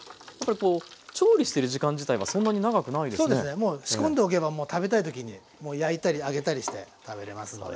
もう仕込んでおけばもう食べたい時にもう焼いたり揚げたりして食べれますので。